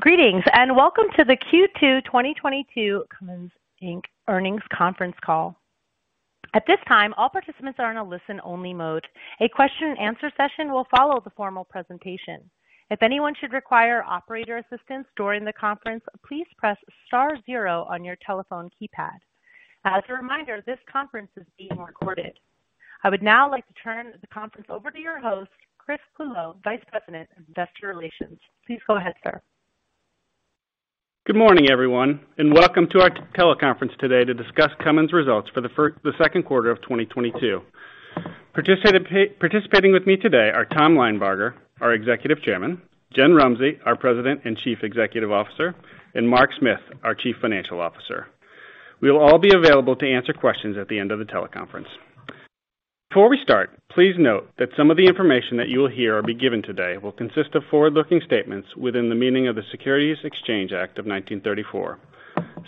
Greetings, and welcome to the Q2 2022 Cummins Inc. Earnings Conference Call. At this time, all participants are in a listen-only mode. A question and answer session will follow the formal presentation. If anyone should require operator assistance during the conference, please press star zero on your telephone keypad. As a reminder, this conference is being recorded. I would now like to turn the conference over to your host, Chris Clulow, Vice President of Investor Relations. Please go ahead, sir. Good morning, everyone, and welcome to our teleconference today to discuss Cummins results for the Q2 of 2022. Participating with me today are Tom Linebarger, our Executive Chairman, Jennifer Rumsey, our President and Chief Executive Officer, and Mark Smith, our Chief Financial Officer. We will all be available to answer questions at the end of the teleconference. Before we start, please note that some of the information that you will hear or be given today will consist of forward-looking statements within the meaning of the Securities Exchange Act of 1934.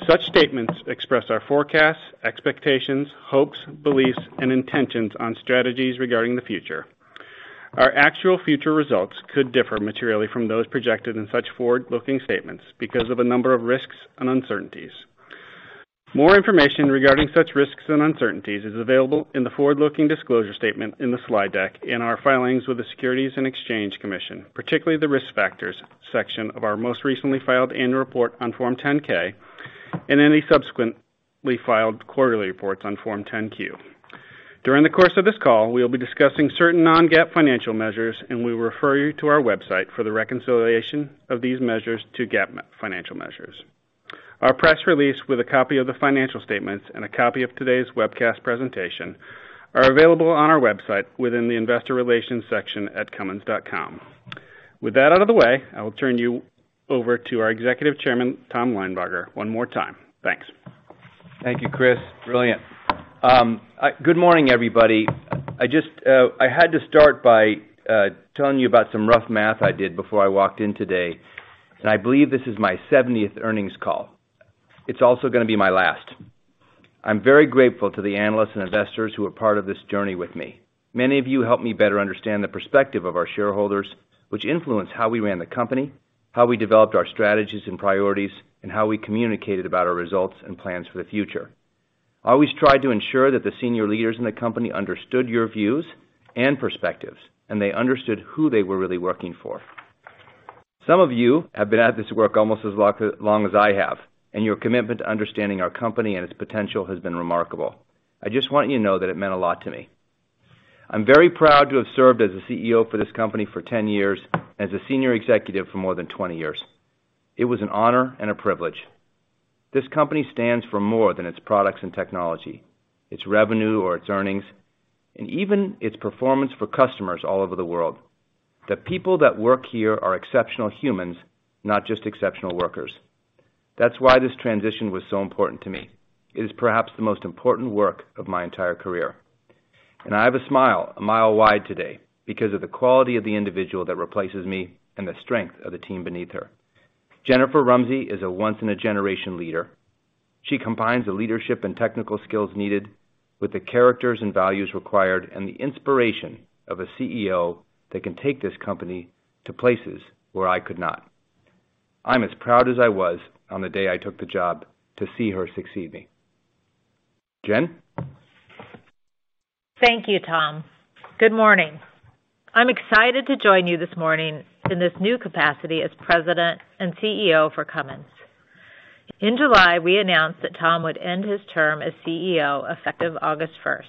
Such statements express our forecasts, expectations, hopes, beliefs, and intentions on strategies regarding the future. Our actual future results could differ materially from those projected in such forward-looking statements because of a number of risks and uncertainties. More information regarding such risks and uncertainties is available in the forward-looking disclosure statement in the slide deck in our filings with the Securities and Exchange Commission, particularly the Risk Factors section of our most recently filed annual report on Form 10-K and any subsequently filed quarterly reports on Form 10-Q. During the course of this call, we will be discussing certain non-GAAP financial measures, and we will refer you to our website for the reconciliation of these measures to GAAP financial measures. Our press release with a copy of the financial statements and a copy of today's webcast presentation are available on our website within the Investor Relations section at cummins.com. With that out of the way, I will turn you over to our Executive Chairman, Tom Linebarger, one more time. Thanks. Thank you, Chris. Brilliant. Good morning, everybody. I just had to start by telling you about some rough math I did before I walked in today. I believe this is my seventieth earnings call. It's also gonna be my last. I'm very grateful to the analysts and investors who are part of this journey with me. Many of you helped me better understand the perspective of our shareholders, which influenced how we ran the company, how we developed our strategies and priorities, and how we communicated about our results, and plans for the future. I always tried to ensure that the senior leaders in the company understood your views and perspectives, and they understood who they were really working for. Some of you have been at this work almost as long as I have, and your commitment to understanding our company and its potential has been remarkable. I just want you to know that it meant a lot to me. I'm very proud to have served as the CEO for this company for 10 years, as a senior executive for more than 20 years. It was an honor and a privilege. This company stands for more than its products and technology, its revenue or its earnings, and even its performance for customers all over the world. The people that work here are exceptional humans, not just exceptional workers. That's why this transition was so important to me. It is perhaps the most important work of my entire career. I have a smile a mile wide today because of the quality of the individual that replaces me, and the strength of the team beneath her. Jennifer Rumsey is a once in a generation leader. She combines the leadership and technical skills needed with the character and values required and the inspiration of a CEO that can take this company to places where I could not. I'm as proud as I was on the day I took the job to see her succeed me. Jen? Thank you, Tom. Good morning. I'm excited to join you this morning in this new capacity as President and CEO for Cummins. In July, we announced that Tom would end his term as CEO effective August first.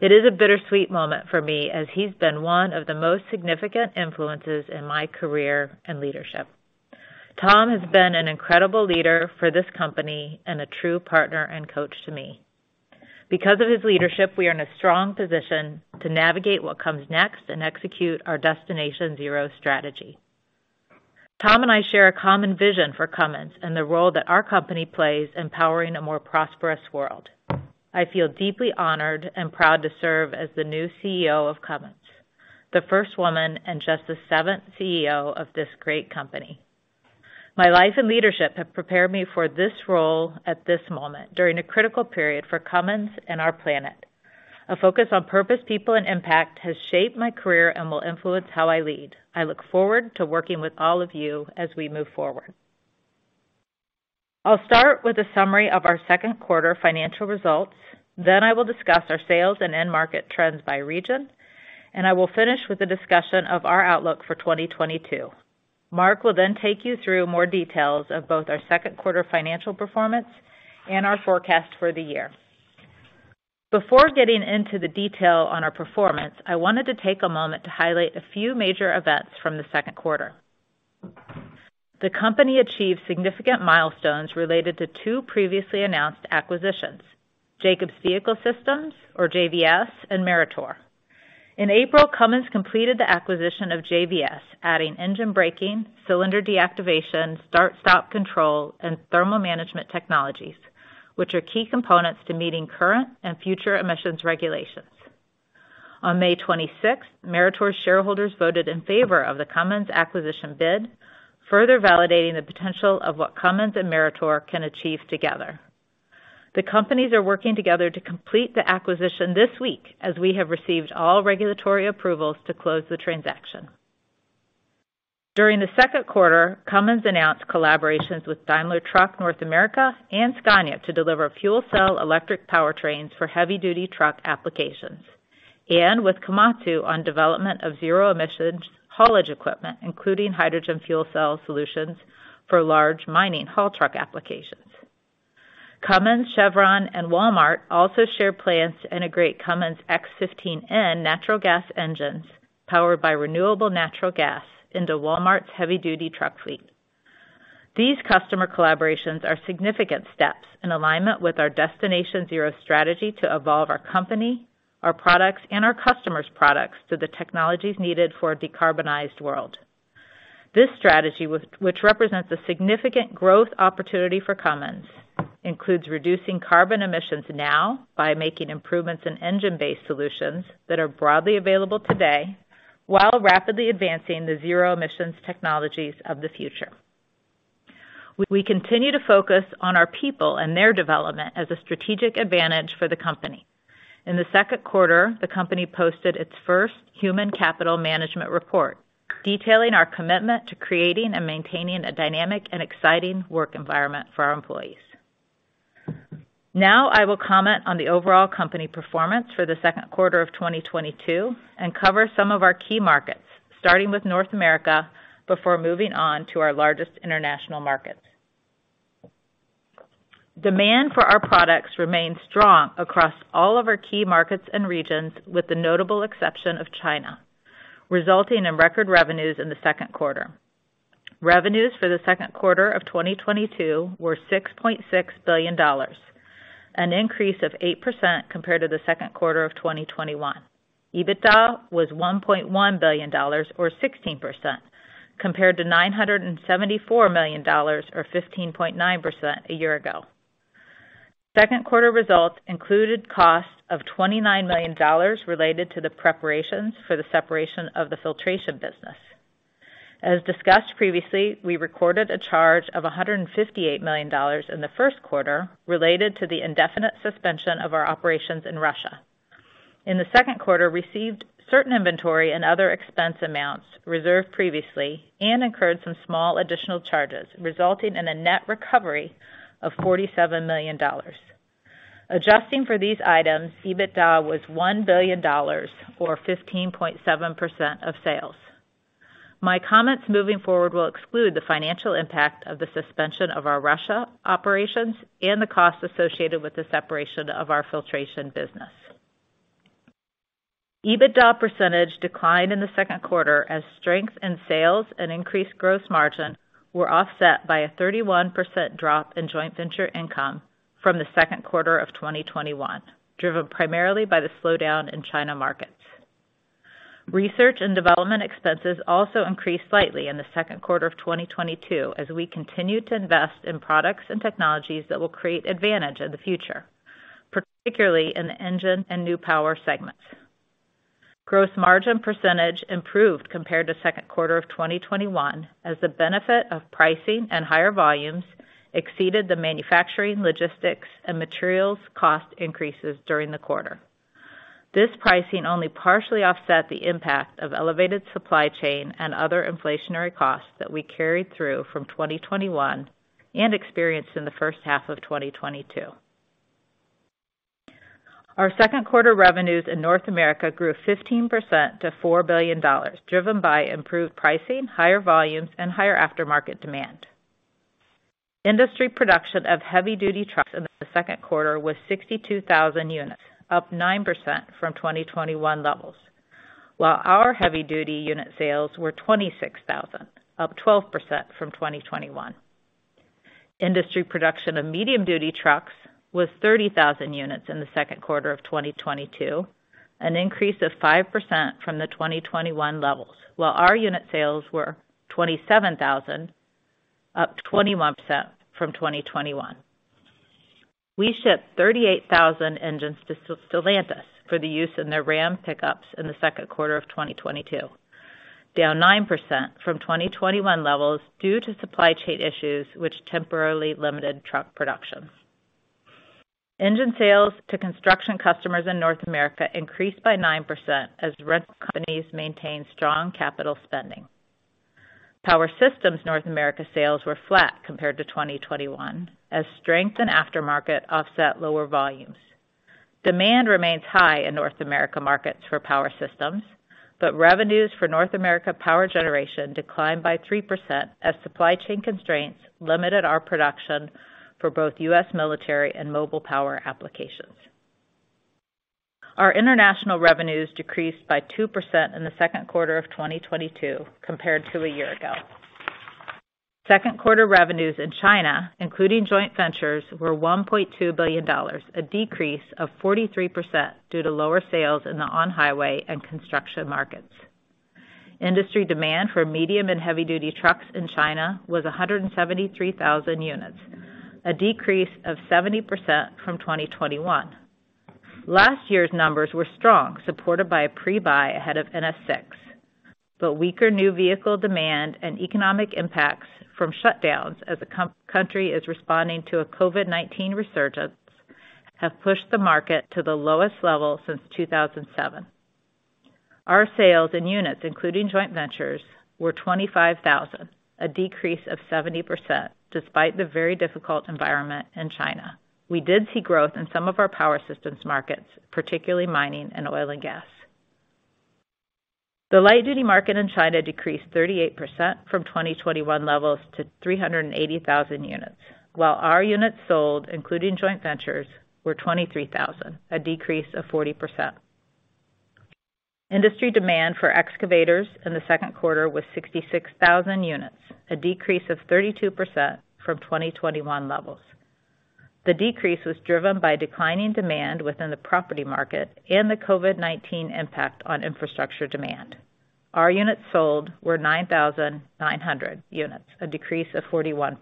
It is a bittersweet moment for me, as he's been one of the most significant influences in my career and leadership. Tom has been an incredible leader for this company and a true partner and coach to me. Because of his leadership, we are in a strong position to navigate what comes next, and execute our Destination Zero strategy. Tom and I share a common vision for Cummins and the role that our company plays in powering a more prosperous world. I feel deeply honored and proud to serve as the new CEO of Cummins, the first woman and just the seventh CEO of this great company. My life and leadership have prepared me for this role at this moment, during a critical period for Cummins and our planet. A focus on purpose, people, and impact has shaped my career, and will influence how I lead. I look forward to working with all of you as we move forward. I'll start with a summary of our Q2 financial results. I will discuss our sales and end market trends by region, and I will finish with a discussion of our outlook for 2022. Mark will then take you through more details of both our Q2 financial performance, and our forecast for the year. Before getting into the detail on our performance, I wanted to take a moment to highlight a few major events from the Q2. The company achieved significant milestones related to two previously announced acquisitions, Jacobs Vehicle Systems, or JVS, and Meritor. In April, Cummins completed the acquisition of JVS, adding engine braking, cylinder deactivation, start-stop control, and thermal management technologies, which are key components to meeting current, and future emissions regulations. On May 26, Meritor shareholders voted in favor of the Cummins acquisition bid, further validating the potential of what Cummins and Meritor can achieve together. The companies are working together to complete the acquisition this week as we have received all regulatory approvals to close the transaction. During the Q2, Cummins announced collaborations with Daimler Truck North America and Scania to deliver fuel cell electric powertrains for heavy-duty truck applications, and with Komatsu on development of zero-emissions haulage equipment, including hydrogen fuel cell solutions for large mining haul truck applications. Cummins, Chevron, and Walmart also share plans to integrate Cummins X15N natural gas engines powered by renewable natural gas into Walmart's heavy-duty truck fleet. These customer collaborations are significant steps in alignment with our Destination Zero strategy to evolve our company, our products, and our customers' products to the technologies needed for a decarbonized world. This strategy, which represents a significant growth opportunity for Cummins, includes reducing carbon emissions now by making improvements in engine-based solutions that are broadly available today while rapidly advancing the zero-emissions technologies of the future. We continue to focus on our people and their development as a strategic advantage for the company. In the Q2, the company posted its first human capital management report, detailing our commitment to creating and maintaining a dynamic and exciting work environment for our employees. Now I will comment on the overall company performance for the Q2 of 2022 and cover some of our key markets, starting with North America before moving on to our largest international markets. Demand for our products remained strong across all of our key markets and regions, with the notable exception of China, resulting in record revenues in the Q2. Revenues for the Q2 of 2022 were $6.6 billion, an increase of 8% compared to the Q2 of 2021. EBITDA was $1.1 billion or 16% compared to $974 million or 15.9% a year ago. Q2 results included costs of $29 million related to the preparations for the separation of the filtration business. As discussed previously, we recorded a charge of $158 million in the Q1 related to the indefinite suspension of our operations in Russia. In the Q2, received certain inventory and other expense amounts reserved previously and incurred some small additional charges, resulting in a net recovery of $47 million. Adjusting for these items, EBITDA was $1 billion or 15.7% of sales. My comments moving forward will exclude the financial impact of the suspension of our Russia operations and the costs associated with the separation of our filtration business. EBITDA percentage declined in the Q2 as strength in sales and increased gross margin were offset by a 31% drop in joint venture income from the Q2 of 2021, driven primarily by the slowdown in China markets. Research and development expenses also increased slightly in the Q2 of 2022 as we continue to invest in products and technologies that will create advantage in the future, particularly in the Engine and New Power segments. Gross margin percentage improved compared to Q2 of 2021 as the benefit of pricing and higher volumes exceeded the manufacturing, logistics, and materials cost increases during the quarter. This pricing only partially offset the impact of elevated supply chain and other inflationary costs that we carried through from 2021 and experienced in the H1 of 2022. Our Q2 revenues in North America grew 15% to $4 billion, driven by improved pricing, higher volumes, and higher aftermarket demand. Industry production of heavy-duty trucks in the Q2 was 62,000 units, up 9% from 2021 levels, while our heavy-duty unit sales were 26,000, up 12% from 2021. Industry production of medium-duty trucks was 30,000 units in the Q2 of 2022, an increase of 5% from the 2021 levels, while our unit sales were 27,000, up 21% from 2021. We shipped 38,000 engines to Stellantis for the use in their Ram pickups in the Q2 of 2022, down 9% from 2021 levels due to supply chain issues which temporarily limited truck production. Engine sales to construction customers in North America increased by 9% as rental companies maintained strong capital spending. Power Systems North America sales were flat compared to 2021 as strength in aftermarket offset lower volumes. Demand remains high in North America markets for power systems, but revenues for North America power generation declined by 3% as supply chain constraints limited our production for both U.S. military and mobile power applications. Our international revenues decreased by 2% in the Q2 of 2022 compared to a year ago. Q2 revenues in China, including joint ventures, were $1.2 billion, a decrease of 43% due to lower sales in the on-highway and construction markets. Industry demand for medium and heavy-duty trucks in China was 173,000 units, a decrease of 70% from 2021. Last year's numbers were strong, supported by a pre-buy ahead of NS6. Weaker new vehicle demand and economic impacts from shutdowns as the country is responding to a COVID-19 resurgence have pushed the market to the lowest level since 2007. Our sales in units, including joint ventures, were 25,000, a decrease of 70%, despite the very difficult environment in China. We did see growth in some of our power systems markets, particularly mining and oil and gas. The light-duty market in China decreased 38% from 2021 levels to 380,000 units, while our units sold, including joint ventures, were 23,000, a decrease of 40%. Industry demand for excavators in the Q2 was 66,000 units, a decrease of 32% from 2021 levels. The decrease was driven by declining demand within the property market and the COVID-19 impact on infrastructure demand. Our units sold were 9,900 units, a decrease of 41%.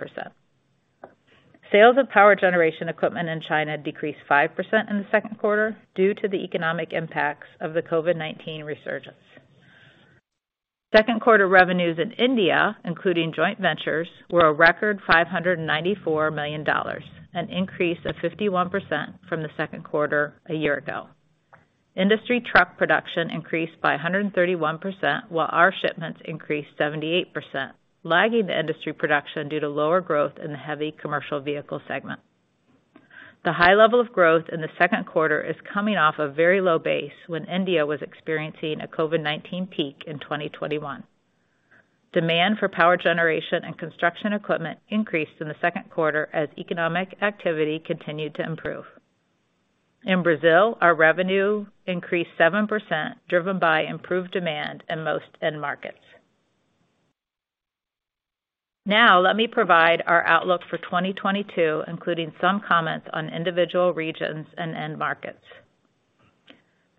Sales of power generation equipment in China decreased 5% in the Q2 due to the economic impacts of the COVID-19 resurgence. Q2 revenues in India, including joint ventures, were a record $594 million, an increase of 51% from the Q2 a year ago. Industry truck production increased by 131%, while our shipments increased 78%, lagging the industry production due to lower growth in the heavy commercial vehicle segment. The high level of growth in the Q2 is coming off a very low base when India was experiencing a COVID-19 peak in 2021. Demand for power generation and construction equipment increased in the Q2 as economic activity continued to improve. In Brazil, our revenue increased 7%, driven by improved demand in most end markets. Now let me provide our outlook for 2022, including some comments on individual regions and end markets.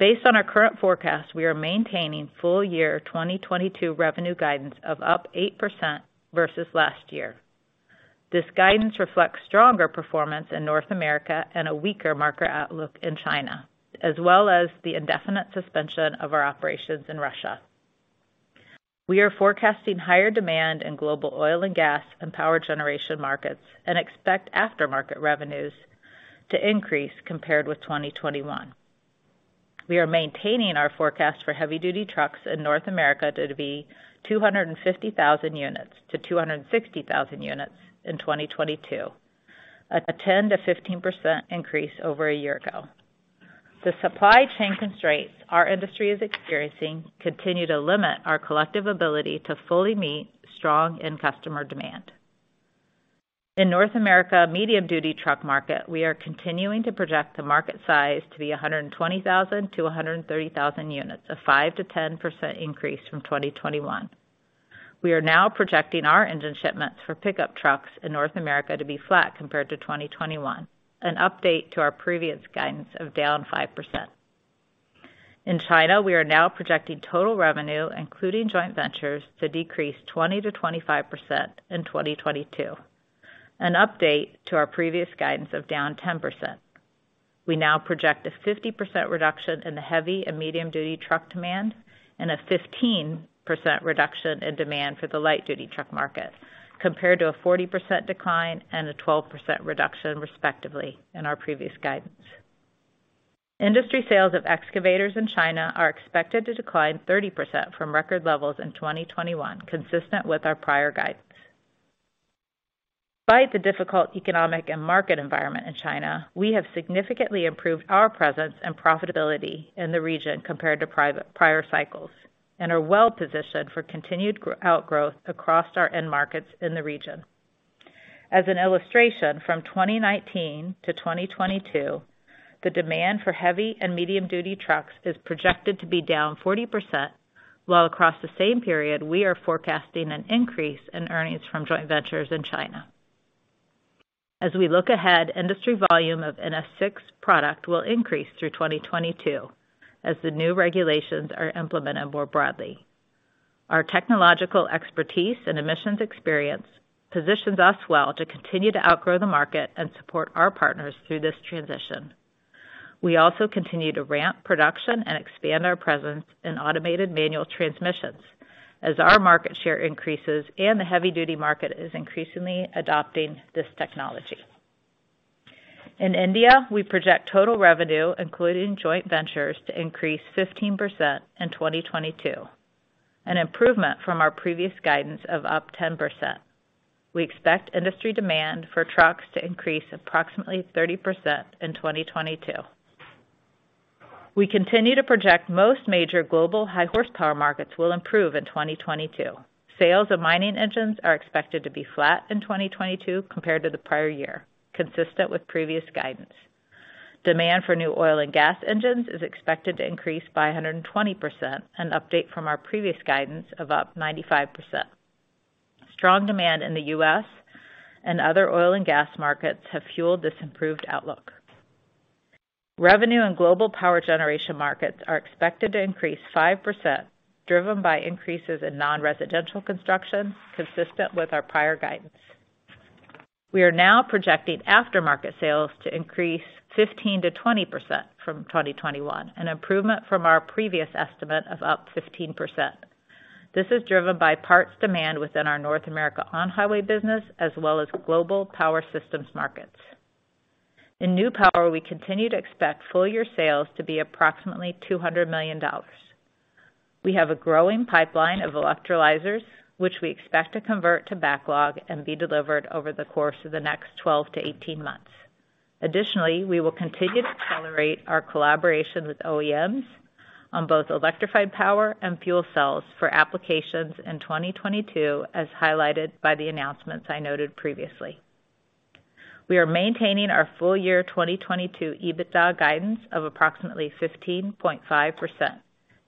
Based on our current forecast, we are maintaining full year 2022 revenue guidance of up 8% versus last year. This guidance reflects stronger performance in North America and a weaker market outlook in China, as well as the indefinite suspension of our operations in Russia. We are forecasting higher demand in global oil and gas and power generation markets and expect aftermarket revenues to increase compared with 2021. We are maintaining our forecast for heavy-duty trucks in North America to be 250,000 units-260,000 units in 2022, a 10%-15% increase over a year ago. The supply chain constraints our industry is experiencing continue to limit our collective ability to fully meet strong end customer demand. In North America medium duty truck market, we are continuing to project the market size to be 120,000-130,000 units, a 5%-10% increase from 2021. We are now projecting our engine shipments for pickup trucks in North America to be flat compared to 2021, an update to our previous guidance of down 5%. In China, we are now projecting total revenue, including joint ventures, to decrease 20%-25% in 2022, an update to our previous guidance of down 10%. We now project a 50% reduction in the heavy and medium-duty truck demand and a 15% reduction in demand for the light-duty truck market, compared to a 40% decline and a 12% reduction, respectively, in our previous guidance. Industry sales of excavators in China are expected to decline 30% from record levels in 2021, consistent with our prior guidance. Despite the difficult economic and market environment in China, we have significantly improved our presence and profitability in the region compared to prior cycles and are well positioned for continued outgrowth across our end markets in the region. As an illustration, from 2019 to 2022, the demand for heavy and medium-duty trucks is projected to be down 40%, while across the same period, we are forecasting an increase in earnings from joint ventures in China. As we look ahead, industry volume of NS6 product will increase through 2022 as the new regulations are implemented more broadly. Our technological expertise and emissions experience positions us well to continue to outgrow the market and support our partners through this transition. We also continue to ramp production and expand our presence in automated manual transmissions as our market share increases and the heavy-duty market is increasingly adopting this technology. In India, we project total revenue, including joint ventures, to increase 15% in 2022, an improvement from our previous guidance of up 10%. We expect industry demand for trucks to increase approximately 30% in 2022. We continue to project most major global high horsepower markets will improve in 2022. Sales of mining engines are expected to be flat in 2022 compared to the prior year, consistent with previous guidance. Demand for new oil and gas engines is expected to increase by 120%, an update from our previous guidance of up 95%. Strong demand in the U.S. and other oil and gas markets have fueled this improved outlook. Revenue in global power generation markets are expected to increase 5%, driven by increases in non-residential construction consistent with our prior guidance. We are now projecting aftermarket sales to increase 15%-20% from 2021, an improvement from our previous estimate of up 15%. This is driven by parts demand within our North America on-highway business as well as global power systems markets. In New Power, we continue to expect full year sales to be approximately $200 million. We have a growing pipeline of electrolyzers, which we expect to convert to backlog and be delivered over the course of the next 12-18 months. Additionally, we will continue to accelerate our collaboration with OEMs on both electrified power and fuel cells for applications in 2022, as highlighted by the announcements I noted previously. We are maintaining our full year 2022 EBITDA guidance of approximately 15.5%,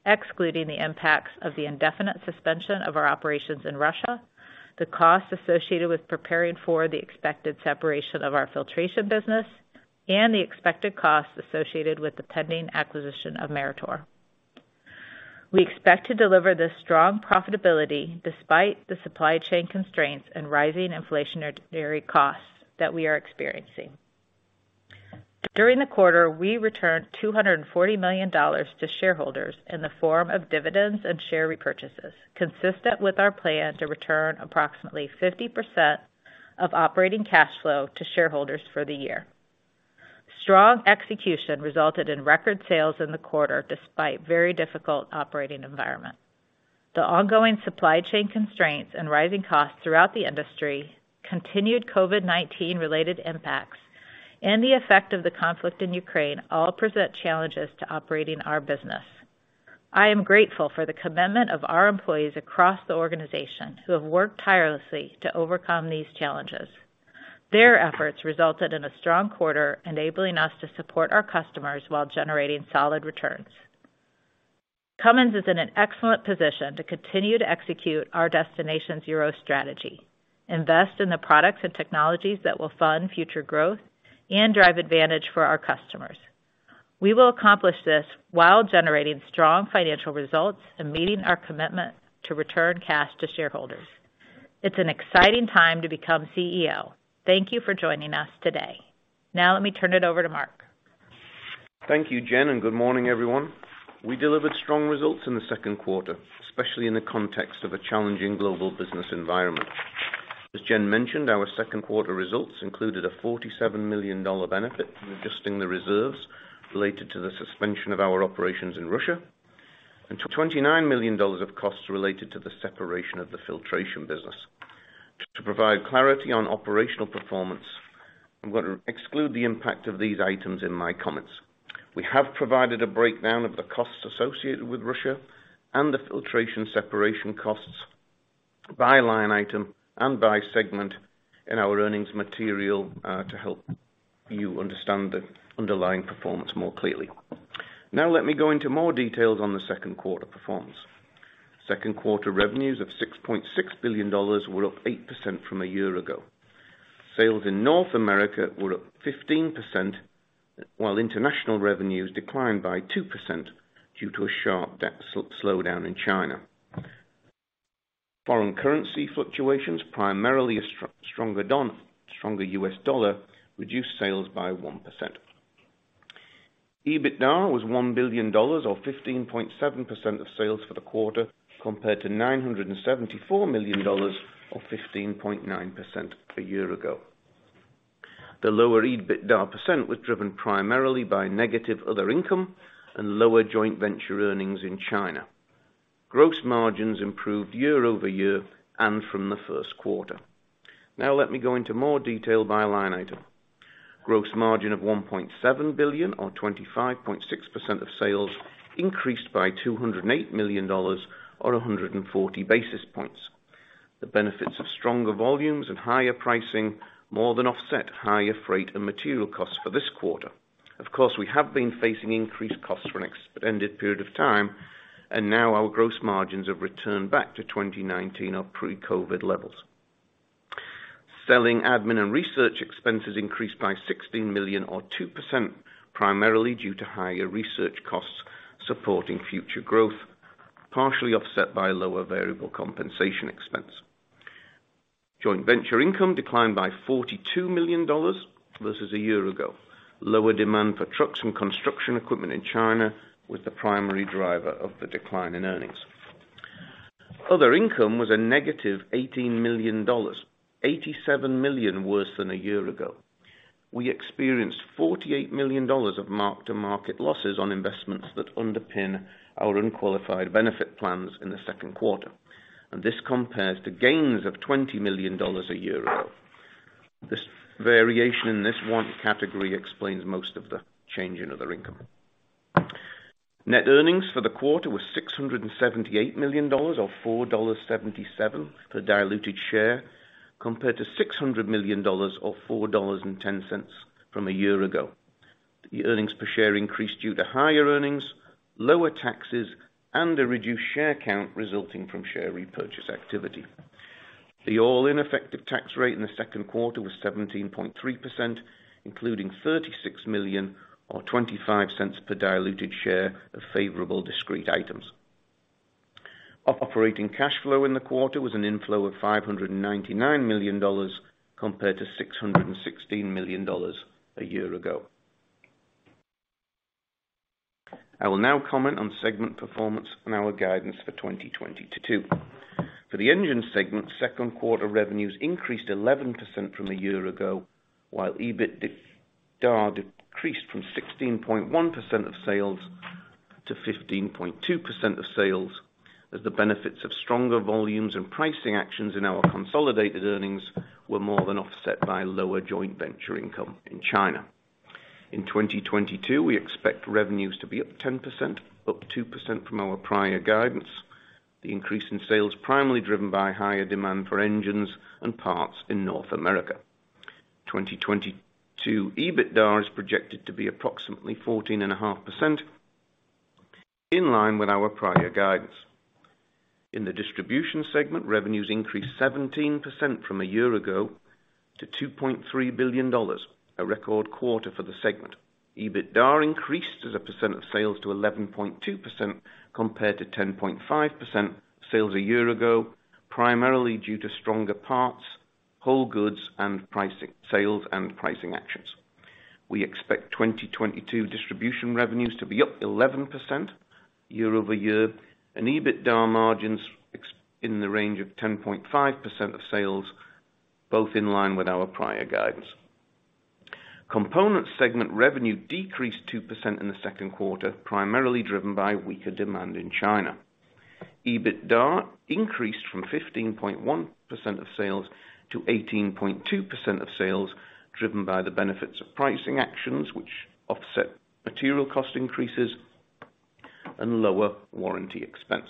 excluding the impacts of the indefinite suspension of our operations in Russia, the costs associated with preparing for the expected separation of our filtration business, and the expected costs associated with the pending acquisition of Meritor. We expect to deliver this strong profitability despite the supply chain constraints, and rising inflationary costs that we are experiencing. During the quarter, we returned $240 million to shareholders in the form of dividends and share repurchases, consistent with our plan to return approximately 50% of operating cash flow to shareholders for the year. Strong execution resulted in record sales in the quarter, despite very difficult operating environment. The ongoing supply chain constraints and rising costs throughout the industry, continued COVID-19 related impacts, and the effect of the conflict in Ukraine all present challenges to operating our business. I am grateful for the commitment of our employees across the organization who have worked tirelessly to overcome these challenges. Their efforts resulted in a strong quarter, enabling us to support our customers while generating solid returns. Cummins is in an excellent position to continue to execute our Destination Zero strategy, invest in the products and technologies that will fund future growth, and drive advantage for our customers. We will accomplish this while generating strong financial results and meeting our commitment to return cash to shareholders. It's an exciting time to become CEO. Thank you for joining us today. Now let me turn it over to Mark. Thank you, Jen, and good morning, everyone. We delivered strong results in the Q2, especially in the context of a challenging global business environment. As Jen mentioned, our Q2 results included a $47 million benefit from adjusting the reserves related to the suspension of our operations in Russia and $29 million of costs related to the separation of the filtration business. To provide clarity on operational performance, I'm gonna exclude the impact of these items in my comments. We have provided a breakdown of the costs associated with Russia and the filtration separation costs by line item and by segment in our earnings material, to help you understand the underlying performance more clearly. Now let me go into more details on the Q2 performance. Q2 revenues of $6.6 billion were up 8% from a year ago. Sales in North America were up 15%, while international revenues declined by 2% due to a slowdown in China. Foreign currency fluctuations, primarily a stronger US dollar, reduced sales by 1%. EBITDA was $1 billion, or 15.7% of sales for the quarter, compared to $974 million or 15.9% a year ago. The lower EBITDA percent was driven primarily by negative other income and lower joint venture earnings in China. Gross margins improved year-over-year and from the Q1. Now let me go into more detail by line item. Gross margin of $1.7 billion or 25.6% of sales increased by $208 million or 140 basis points. The benefits of stronger volumes and higher pricing more than offset higher freight, and material costs for this quarter. Of course, we have been facing increased costs for an extended period of time, and now our gross margins have returned back to 2019 or pre-COVID levels. Selling, admin and research expenses increased by $16 million or 2%, primarily due to higher research costs supporting future growth, partially offset by lower variable compensation expense. Joint venture income declined by $42 million versus a year ago. Lower demand for trucks and construction equipment in China was the primary driver of the decline in earnings. Other income was a negative $18 million, $87 million worse than a year ago. We experienced $48 million of mark-to-market losses on investments that underpin our unqualified benefit plans in the Q2, and this compares to gains of $20 million a year ago. This variation in this one category explains most of the change in other income. Net earnings for the quarter was $678 million or $4.77 per diluted share, compared to $600 million or $4.10 from a year ago. The earnings per share increased due to higher earnings, lower taxes, and a reduced share count resulting from share repurchase activity. The all-in effective tax rate in the Q2 was 17.3%, including $36 million or $0.25 per diluted share of favorable discrete items. Operating cash flow in the quarter was an inflow of $599 million compared to $616 million a year ago. I will now comment on segment performance, and our guidance for 2022. For the engine segment, Q2 revenues increased 11% from a year ago, while EBITDA decreased from 16.1% of sales to 15.2% of sales as the benefits of stronger volumes and pricing actions in our consolidated earnings were more than offset by lower joint venture income in China. In 2022, we expect revenues to be up 10%, up 2% from our prior guidance. The increase in sales primarily driven by higher demand for engines and parts in North America. 2022 EBITDA is projected to be approximately 14.5%, in line with our prior guidance. In the distribution segment, revenues increased 17% from a year ago to $2.3 billion, a record quarter for the segment. EBITDA increased as a percent of sales to 11.2% compared to 10.5% of sales a year ago, primarily due to stronger parts, whole goods, and pricing, sales and pricing actions. We expect 2022 distribution revenues to be up 11% year-over-year, and EBITDA margins in the range of 10.5% of sales, both in line with our prior guidance. Component segment revenue decreased 2% in the Q2, primarily driven by weaker demand in China. EBITDA increased from 15.1% of sales to 18.2% of sales, driven by the benefits of pricing actions which offset material cost increases and lower warranty expense.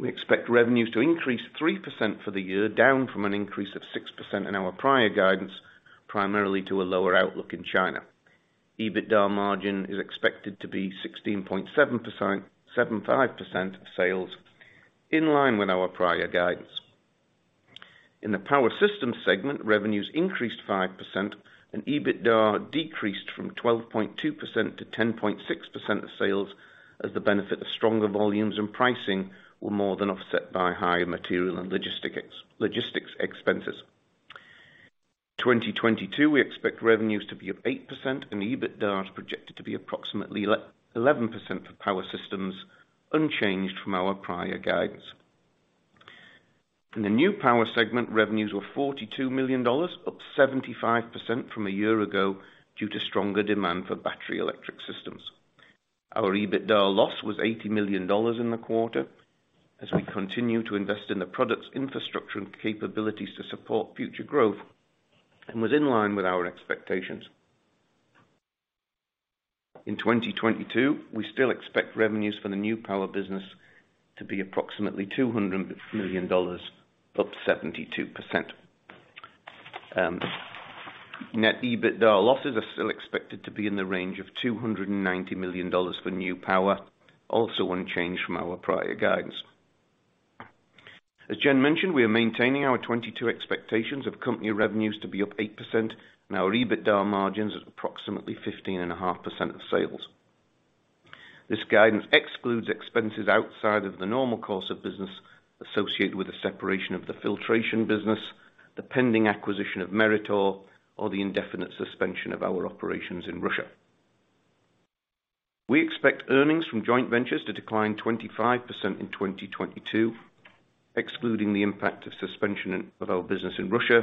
We expect revenues to increase 3% for the year, down from an increase of 6% in our prior guidance, primarily due to a lower outlook in China. EBITDA margin is expected to be 17.5% of sales in line with our prior guidance. In the power systems segment, revenues increased 5% and EBITDA decreased from 12.2% to 10.6% of sales as the benefit of stronger volumes, and pricing were more than offset by higher material and logistics expenses. 2022, we expect revenues to be up 8% and EBITDA is projected to be approximately 11% for power systems, unchanged from our prior guidance. In the new power segment, revenues were $42 million, up 75% from a year ago due to stronger demand for battery electric systems. Our EBITDA loss was $80 million in the quarter as we continue to invest in the products, infrastructure, and capabilities to support future growth, and was in line with our expectations. In 2022, we still expect revenues for the new power business to be approximately $200 million, up 72%. Net EBITDA losses are still expected to be in the range of $290 million for new power, also unchanged from our prior guidance. As Jen mentioned, we are maintaining our 2022 expectations of company revenues to be up 8% and our EBITDA margins at approximately 15.5% of sales. This guidance excludes expenses outside of the normal course of business associated with the separation of the filtration business, the pending acquisition of Meritor, or the indefinite suspension of our operations in Russia. We expect earnings from joint ventures to decline 25% in 2022, excluding the impact of suspension of our business in Russia.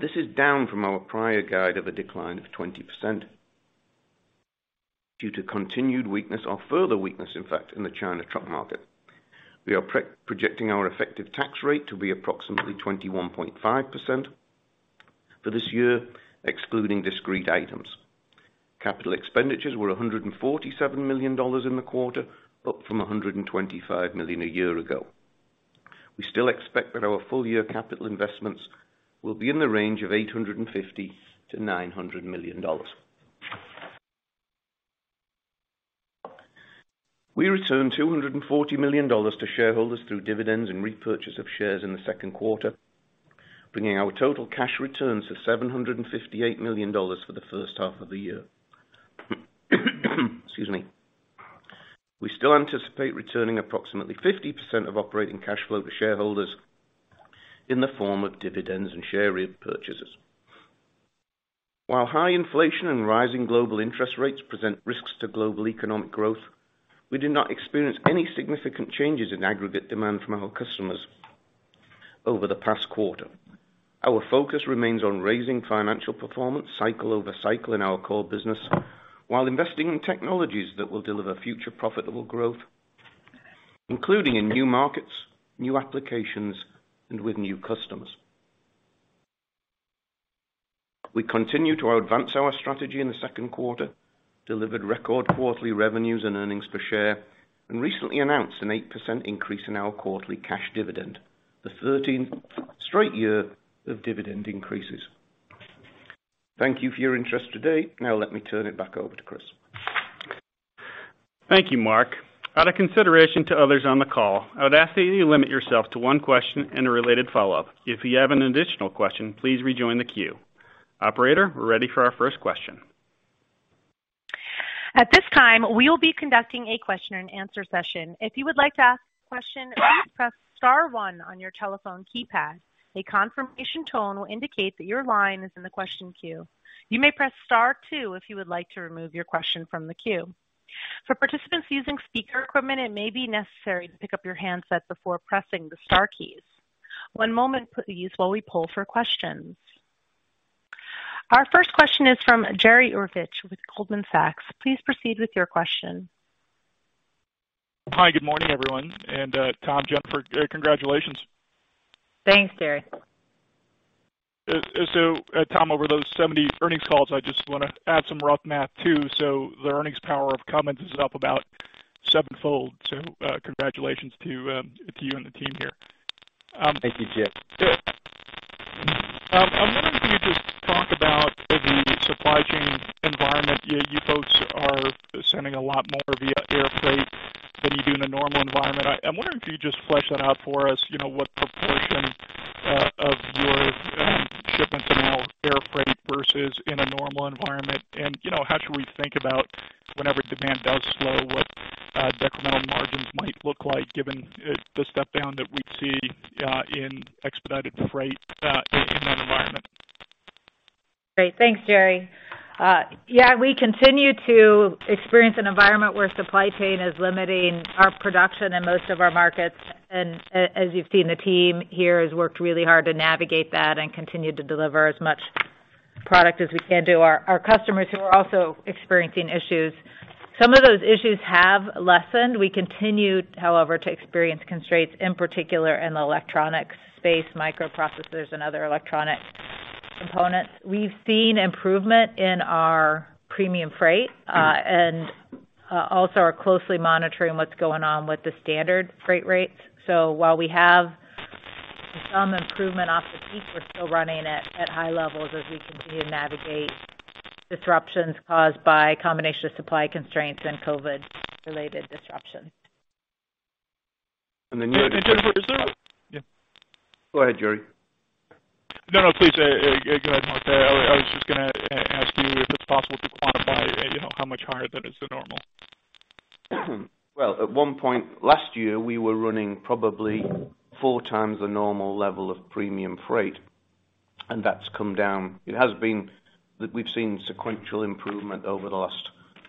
This is down from our prior guide of a decline of 20% due to continued weakness or further weakness, in fact, in the China truck market. We are pre-projecting our effective tax rate to be approximately 21.5% for this year, excluding discrete items. Capital expenditures were $147 million in the quarter, up from $125 million a year ago. We still expect that our full year capital investments will be in the range of $850 million-$900 million. We returned $240 million to shareholders through dividends, and repurchase of shares in the Q2, bringing our total cash returns to $758 million for the H1 of the year. We still anticipate returning approximately 50% of operating cash flow to shareholders in the form of dividends and share repurchases. While high inflation, and rising global interest rates present risks to global economic growth, we did not experience any significant changes in aggregate demand from our customers over the past quarter. Our focus remains on raising financial performance cycle over cycle in our core business while investing in technologies that will deliver future profitable growth, including in new markets, new applications, and with new customers. We continue to advance our strategy in the Q2, delivered record quarterly revenues and earnings per share, and recently announced an 8% increase in our quarterly cash dividend, the thirteenth straight year of dividend increases. Thank you for your interest today. Now let me turn it back over to Chris. Thank you, Mark.Out of consideration to others on the call, I would ask that you limit yourself to one question and a related follow-up. If you have an additional question, please rejoin the queue. Operator, we're ready for our first question. At this time, we will be conducting a question and answer session. If you would like to ask a question, please press star one on your telephone keypad. A confirmation tone will indicate that your line is in the question queue. You may press star two if you would like to remove your question from the queue. For participants using speaker equipment, it may be necessary to pick up your handset before pressing the star keys. One moment, please, while we pull for questions. Our first question is from Jerry Revich with Goldman Sachs. Please proceed with your question. Hi, good morning, everyone. Tom, Jen, congratulations. Thanks, Jerry. Tom, over those 70 earnings calls, I just wanna add some rough math, too. Congratulations to you and the team here. Thank you, Jerry. I'm wondering if you could just talk about the supply chain environment. You folks are sending a lot more via air freight than you do in a normal environment. I'm wondering if you just flesh that out for us. You know, what proportion of your shipments are now air freight versus in a normal environment. You know, how should we think about whenever demand does slow, what decremental margins might look like given the step down that we'd see in expedited freight in that environment? Great. Thanks, Jerry. Yeah, we continue to experience an environment where supply chain is limiting our production in most of our markets. As you've seen, the team here has worked really hard to navigate that and continue to deliver as much product as we can to our customers who are also experiencing issues. Some of those issues have lessened. We continue, however, to experience constraints, in particular in the electronics space, microprocessors and other electronic components. We've seen improvement in our premium freight, and also are closely monitoring what's going on with the standard freight rates. While we have some improvement off the peak, we're still running at high levels as we continue to navigate disruptions caused by a combination of supply constraints and COVID-related disruptions. And then you- Jennifer, is that? Yeah. Go ahead, Jerry. No, no, please. Go ahead, Mark. I was just gonna ask you if it's possible to quantify, you know, how much higher that is than normal. Well, at one point last year, we were running probably 4x the normal level of premium freight, and that's come down. It has been that we've seen sequential improvement over the last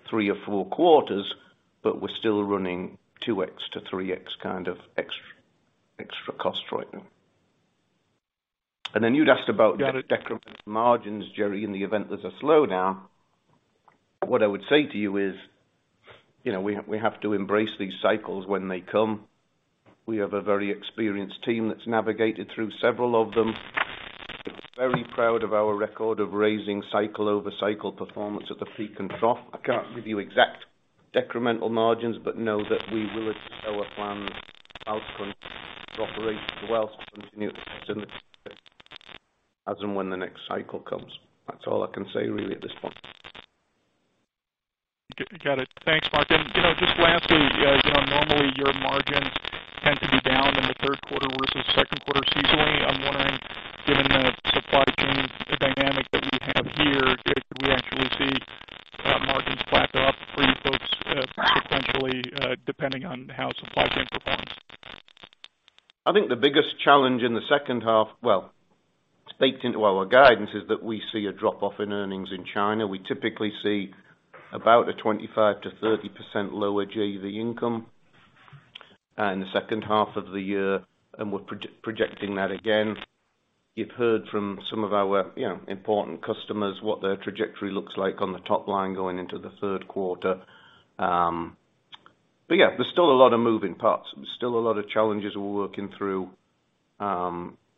3 or 4 quarters, but we're still running 2x-3x kind of extra cost right now. You'd asked about decremental margins, Jerry, in the event there's a slowdown. What I would say to you is, you know, we have to embrace these cycles when they come. We have a very experienced team that's navigated through several of them. We're very proud of our record of raising cycle-over-cycle performance at the peak and trough. I can't give you exact decremental margins, but know that we will adjust our plans, outcomes, operations as well to continue as and when the next cycle comes. That's all I can say really at this point. Got it. Thanks, Mark. You know, just lastly, you know, normally your margins tend to be down in the Q3 versus Q2 seasonally. I'm wondering, given the supply chain dynamic that we have here, could we actually see margins back up for you folks sequentially, depending on how supply chain performs? I think the biggest challenge in the H2, well, baked into our guidance, is that we see a drop off in earnings in China. We typically see about a 25%-30% lower JV income in the H2 of the year, and we're projecting that again. You've heard from some of our, you know, important customers what their trajectory looks like on the top line going into the Q3. Yeah, there's still a lot of moving parts. There's still a lot of challenges we're working through.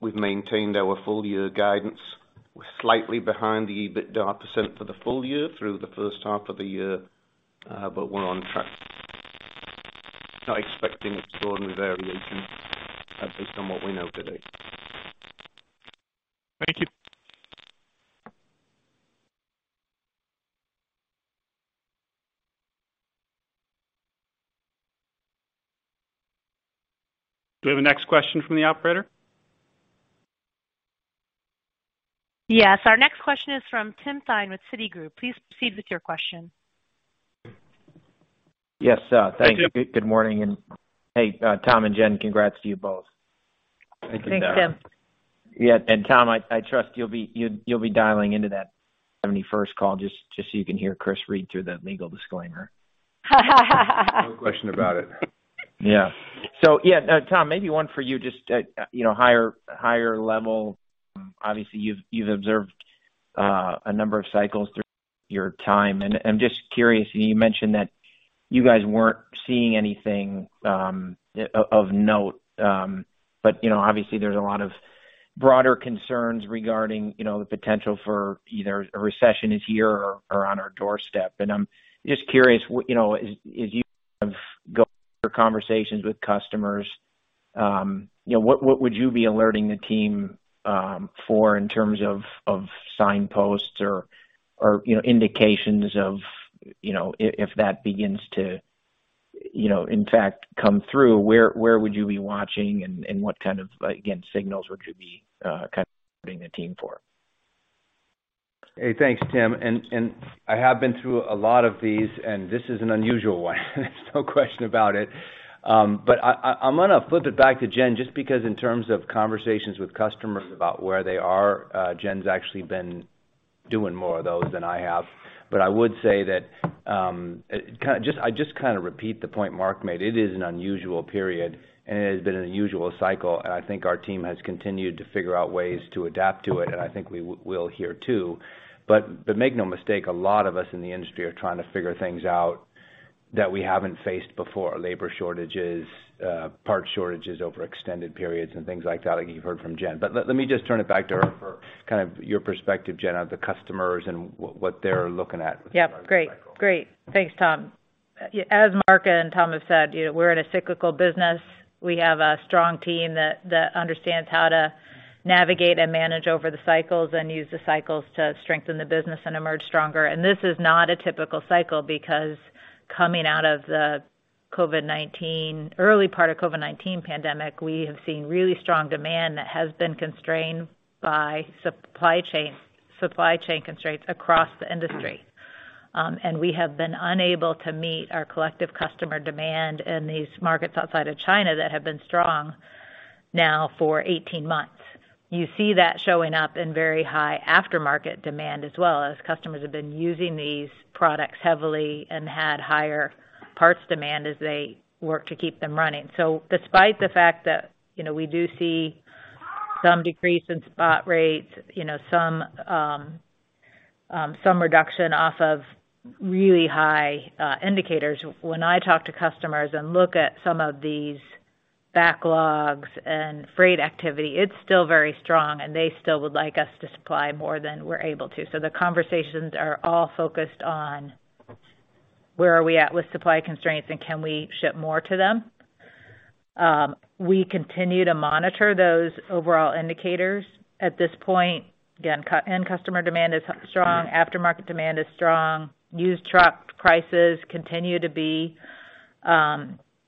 We've maintained our full year guidance. We're slightly behind the EBITDA percent for the full year through the H1 of the year, but we're on track. Not expecting extraordinary variation based on what we know today. Thank you. Do we have a next question from the operator? Yes. Our next question is from Tim Thein with Citigroup. Please proceed with your question. Yes. Thank you. Good morning. Hey, Tom and Jen, congrats to you both. Thank you. Thanks, Tim. Yeah, Tom, I trust you'll be dialing into that 71st call just so you can hear Chris read through the legal disclaimer. No question about it. Yeah, Tom, maybe one for you, just you know, higher level. Obviously, you've observed a number of cycles through your time, and I'm just curious. You mentioned that you guys weren't seeing anything of note, but you know, obviously there's a lot of broader concerns regarding you know, the potential for either a recession is here or on our doorstep. I'm just curious, you know, as you go through conversations with customers, you know, what would you be alerting the team to in terms of signposts or you know, indications of you know, if that begins to you know, in fact, come through, where would you be watching and what kind of signals would you be kind of looking to the team for? Hey, thanks, Tim. I have been through a lot of these, and this is an unusual one. There's no question about it. I'm gonna flip it back to Jen, just because in terms of conversations with customers about where they are, Jen's actually been doing more of those than I have. I would say that I just kinda repeat the point Mark made. It is an unusual period, and it has been an unusual cycle, and I think our team has continued to figure out ways to adapt to it, and I think we will here, too. Make no mistake, a lot of us in the industry are trying to figure things out that we haven't faced before. Labor shortages, part shortages over extended periods, and things like that, like you've heard from Jen. Let me just turn it back to her for kind of your perspective, Jen, on the customers and what they're looking at. Yeah. Great. Thanks, Tom. Yeah, as Mark and Tom have said, you know, we're in a cyclical business. We have a strong team that understands how to navigate and manage over the cycles and use the cycles to strengthen the business and emerge stronger. This is not a typical cycle because coming out of the COVID-19, early part of COVID-19 pandemic, we have seen really strong demand that has been constrained by supply chain constraints across the industry. We have been unable to meet our collective customer demand in these markets outside of China that have been strong now for 18 months. You see that showing up in very high aftermarket demand as well, as customers have been using these products heavily and had higher parts demand as they work to keep them running. Despite the fact that, you know, we do see some decrease in spot rates, you know, some reduction off of really high indicators, when I talk to customers and look at some of these backlogs and freight activity, it's still very strong, and they still would like us to supply more than we're able to. The conversations are all focused on where are we at with supply constraints, and can we ship more to them. We continue to monitor those overall indicators. At this point, again, end customer demand is strong, aftermarket demand is strong. Used truck prices continue to be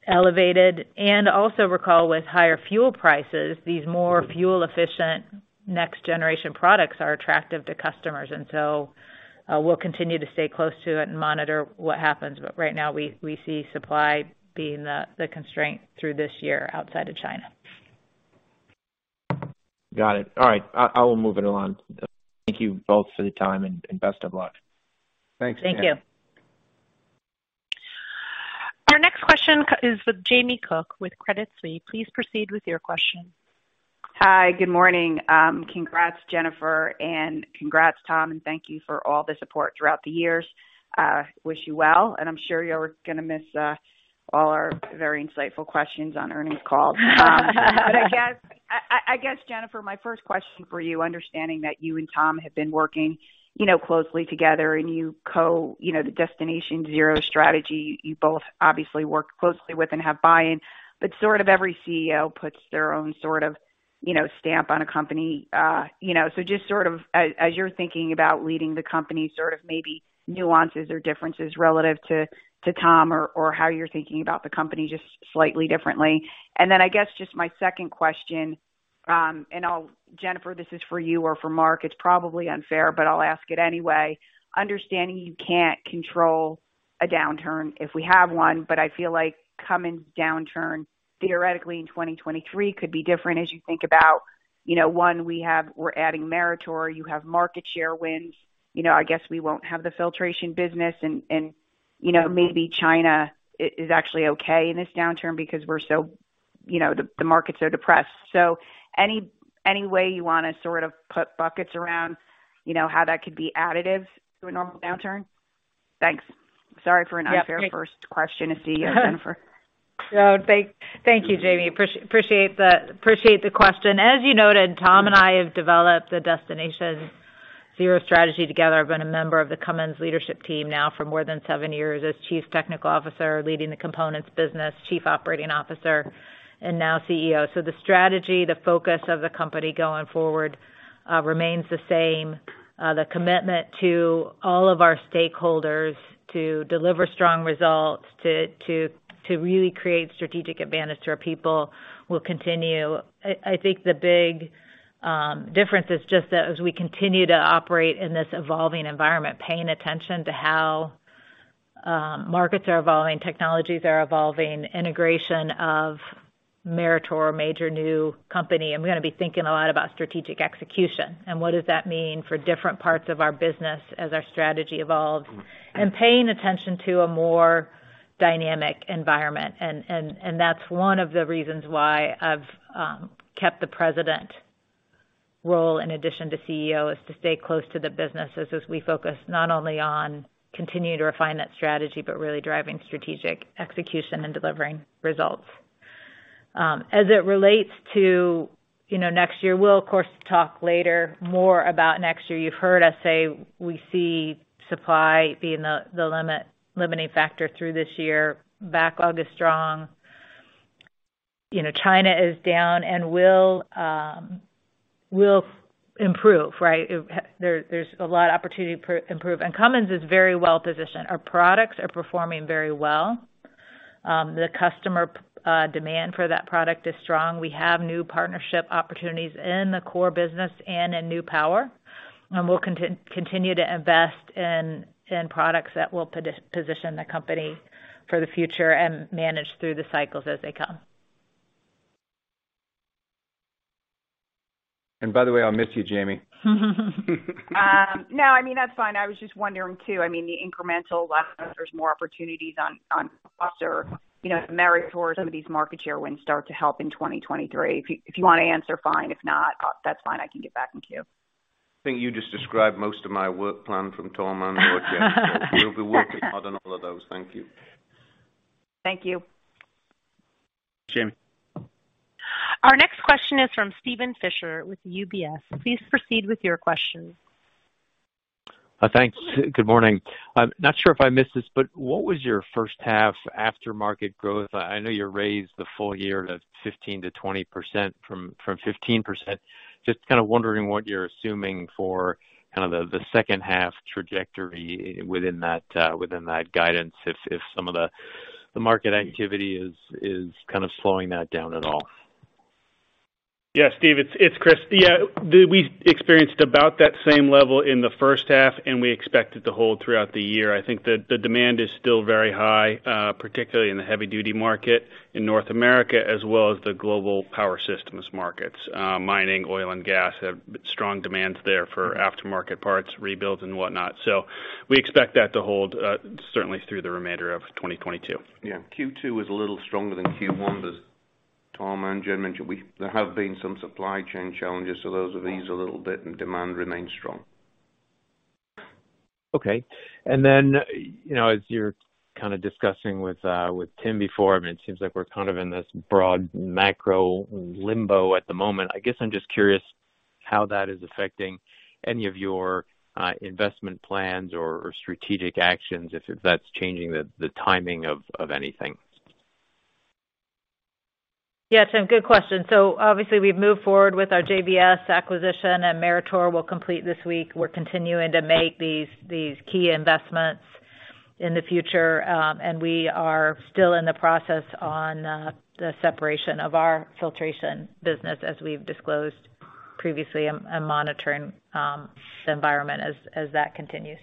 elevated. Also recall with higher fuel prices, these more fuel-efficient next generation products are attractive to customers. We'll continue to stay close to it and monitor what happens. Right now, we see supply being the constraint through this year outside of China. Got it. All right, I will move it along. Thank you both for the time and best of luck. Thanks, Tim. Thank you. Our next question is with Jamie Cook with Credit Suisse. Please proceed with your question. Hi, good morning. Congrats, Jennifer, and congrats, Tom, and thank you for all the support throughout the years. Wish you well, and I'm sure you're gonna miss all our very insightful questions on earnings calls. I guess, Jennifer, my first question for you, understanding that you and Tom have been working, you know, closely together and you know, the Destination Zero strategy, you both obviously work closely with and have buy-in, but sort of every CEO puts their own sort of, you know, stamp on a company. You know, just sort of as you're thinking about leading the company, sort of maybe nuances or differences relative to Tom or how you're thinking about the company just slightly differently. I guess just my second question, Jennifer, this is for you or for Mark. It's probably unfair, but I'll ask it anyway. Understanding you can't control a downturn if we have one, but I feel like coming downturn theoretically in 2023 could be different as you think about, you know, one, we're adding Meritor. You have market share wins. You know, I guess we won't have the filtration business and, you know, maybe China is actually okay in this downturn because we're so, you know, the market's so depressed. Any way you wanna sort of put buckets around, you know, how that could be additive to a normal downturn? Thanks. Sorry for an unfair first question as CEO, Jennifer. No, thank you, Jamie. Appreciate the question. As you noted, Tom and I have developed the Destination Zero strategy together. I've been a member of the Cummins leadership team now for more than seven years as Chief Technical Officer leading the components business, Chief Operating Officer, and now CEO. The strategy, the focus of the company going forward, remains the same. The commitment to all of our stakeholders to deliver strong results, to really create strategic advantage to our people will continue. I think the big difference is just that as we continue to operate in this evolving environment, paying attention to how markets are evolving, technologies are evolving, integration of Meritor, a major new company, and we're gonna be thinking a lot about strategic execution and what does that mean for different parts of our business as our strategy evolves. Paying attention to a more dynamic environment. That's one of the reasons why I've kept the President role in addition to CEO, is to stay close to the businesses as we focus not only on continuing to refine that strategy, but really driving strategic execution and delivering results. As it relates to, you know, next year, we'll of course talk later more about next year. You've heard us say we see supply being the limiting factor through this year. Backlog is strong. You know, China is down and will improve, right? There's a lot of opportunity for it to improve. Cummins is very well-positioned. Our products are performing very well. The customer demand for that product is strong. We have new partnership opportunities in the core business and in new power. We'll continue to invest in products that will position the company for the future and manage through the cycles as they come. By the way, I'll miss you, Jamie. No, I mean, that's fine. I was just wondering too, I mean, the incremental unless there's more opportunities on foster, you know, Meritor, some of these market share wins start to help in 2023. If you wanna answer, fine. If not, that's fine. I can get back in queue. I think you just described most of my work plan from Tom and Jen. We'll be working hard on all of those. Thank you. Thank you. Jamie. Our next question is from Steven Fisher with UBS. Please proceed with your question. Thanks. Good morning. I'm not sure if I missed this, but what was your H1 aftermarket growth? I know you raised the full year to 15%-20% from 15%. Just kind of wondering what you're assuming for kind of the H2 trajectory within that guidance, if some of the market activity is kind of slowing that down at all. Yeah, Steven, it's Chris. Yeah, we experienced about that same level in the H1, and we expect it to hold throughout the year. I think the demand is still very high, particularly in the heavy duty market in North America, as well as the global power systems markets. Mining, oil and gas have strong demands there for aftermarket parts, rebuilds and whatnot. We expect that to hold, certainly through the remainder of 2022. Yeah. Q2 was a little stronger than Q1, as Tom and Jen mentioned. There have been some supply chain challenges, so those have eased a little bit and demand remains strong. Okay. You know, as you're kinda discussing with Tim before, I mean, it seems like we're kind of in this broad macro limbo at the moment. I guess I'm just curious how that is affecting any of your investment plans or strategic actions, if that's changing the timing of anything. Yeah. Tim, good question. Obviously we've moved forward with our JVS acquisition and Meritor will complete this week. We're continuing to make these key investments in the future. We are still in the process on the separation of our filtration business as we've disclosed previously and monitoring the environment as that continues.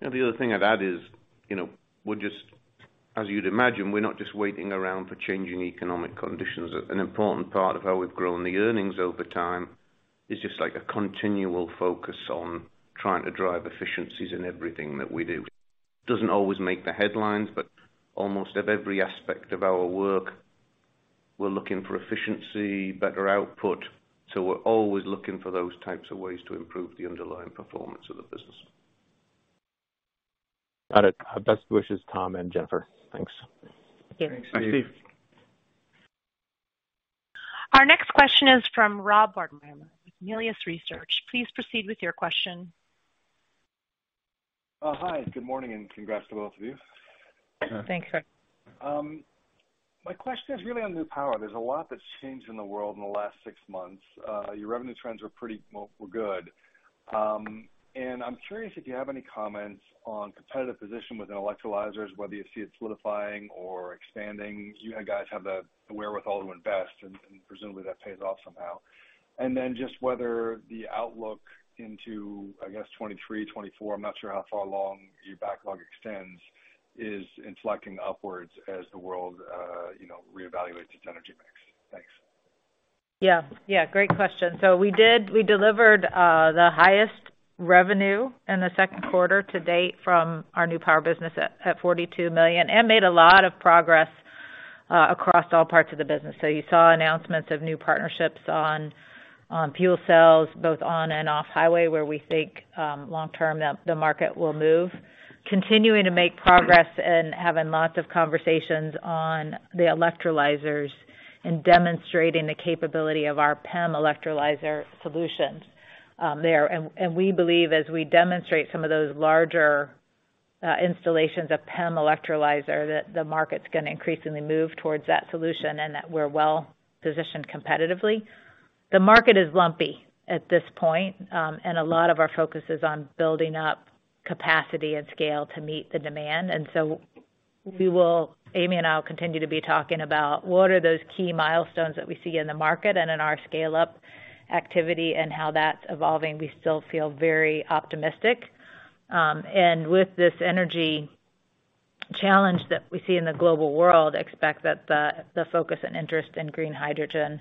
The other thing I'd add is, you know, we're just, as you'd imagine, we're not just waiting around for changing economic conditions. An important part of how we've grown the earnings over time is just like a continual focus on trying to drive efficiencies in everything that we do. Doesn't always make the headlines, but almost at every aspect of our work, we're looking for efficiency, better output. We're always looking for those types of ways to improve the underlying performance of the business. Got it. Best wishes, Tom and Jennifer. Thanks. Thanks. Thanks, Steve. Our next question is from Rob Wertheimer with Melius Research. Please proceed with your question. Hi, good morning, and congrats to both of you. Thanks, Rob. My question is really on New Power. There's a lot that's changed in the world in the last six months. Your revenue trends were good. I'm curious if you have any comments on competitive position within electrolyzers, whether you see it solidifying or expanding. You guys have the wherewithal to invest, and presumably that pays off somehow. Then just whether the outlook into, I guess, 2023, 2024, I'm not sure how far along your backlog extends, is inflecting upwards as the world, you know, reevaluates its energy mix. Thanks. Yeah. Yeah, great question. We delivered the highest revenue in the Q2 to date from our New Power business at $42 million and made a lot of progress across all parts of the business. You saw announcements of new partnerships on fuel cells, both on and off highway, where we think long term the market will move. Continuing to make progress and having lots of conversations on the electrolyzers, and demonstrating the capability of our PEM electrolyzer solutions there. We believe as we demonstrate some of those larger installations of PEM electrolyzer, that the market's gonna increasingly move towards that solution and that we're well-positioned competitively. The market is lumpy at this point, and a lot of our focus is on building up capacity and scale to meet the demand. We will. Amy and I will continue to be talking about what are those key milestones that we see in the market, and in our scale-up activity and how that's evolving. We still feel very optimistic. With this energy challenge that we see in the global world, expect that the focus and interest in green hydrogen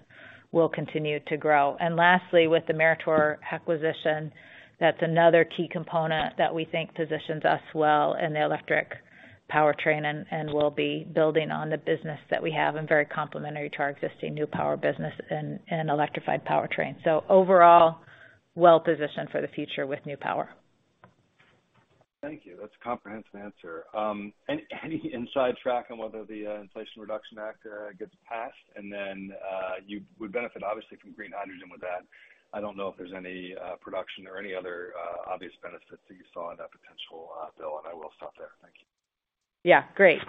will continue to grow. Lastly, with the Meritor acquisition, that's another key component that we think positions us well in the electric powertrain and we'll be building on the business that we have and very complementary to our existing New Power business in electrified powertrain. Overall, well-positioned for the future with New Power. Thank you. That's a comprehensive answer. Any inside track on whether the Inflation Reduction Act gets passed. You would benefit obviously from green hydrogen with that. I don't know if there's any production or any other obvious benefits that you saw in that potential bill. I will stop there. Thank you. Yeah, great.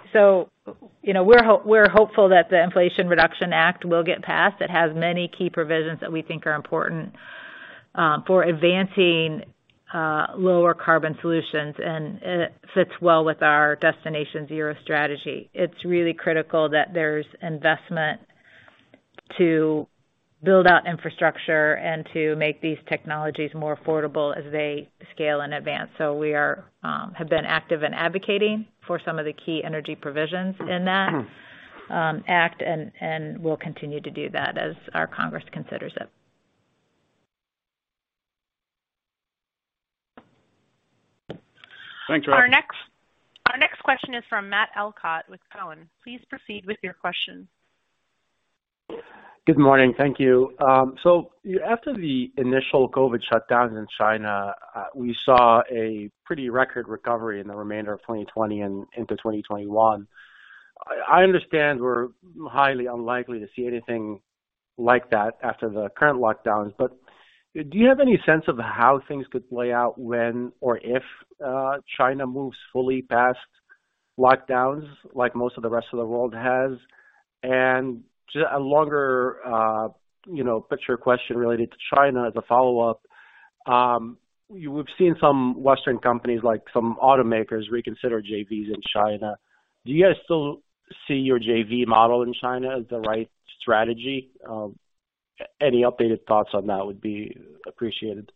You know, we're hopeful that the Inflation Reduction Act will get passed. It has many key provisions that we think are important for advancing lower carbon solutions, and it fits well with our Destination Zero strategy. It's really critical that there's investment to build out infrastructure and to make these technologies more affordable as they scale and advance. We have been active in advocating for some of the key energy provisions in that act, and we'll continue to do that as our Congress considers it. Thanks, Jen. Our next question is from Matt Elkott with Cowen. Please proceed with your question. Good morning. Thank you. So after the initial COVID shutdowns in China, we saw a pretty record recovery in the remainder of 2020, and into 2021. I understand we're highly unlikely to see anything like that after the current lockdowns, but do you have any sense of how things could play out when or if China moves fully past lockdowns, like most of the rest of the world has? A longer, you know, picture question related to China as a follow-up. We've seen some Western companies, like some automakers, reconsider JVs in China. Do you guys still see your JV model in China as the right strategy? Any updated thoughts on that would be appreciated.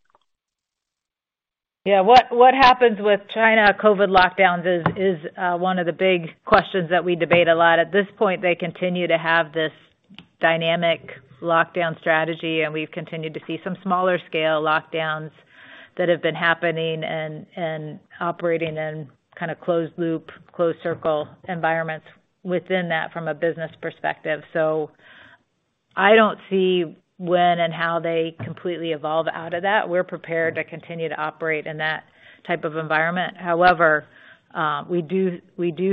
Yeah. What happens with China COVID lockdowns is one of the big questions that we debate a lot. At this point, they continue to have this dynamic lockdown strategy, and we've continued to see some smaller scale lockdowns that have been happening, and operating in kind of closed loop, closed circle environments within that from a business perspective. I don't see when and how they completely evolve out of that. We're prepared to continue to operate in that type of environment. However, we do